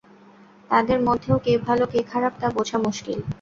তাদের মধ্যেও কে ভালো কে খারাপ তা বোঝা মুশকিল।